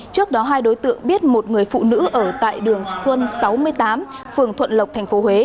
trước đó hai đối tượng biết một người phụ nữ ở tại đường xuân sáu mươi tám phường thuận lộc tp huế